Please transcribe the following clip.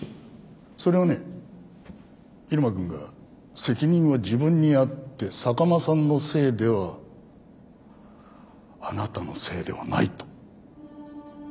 それをね入間君が責任は自分にあって坂間さんのせいではあなたのせいではないと。